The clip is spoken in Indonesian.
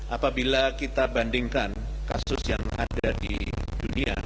apabila kita bandingkan kasus yang ada di dunia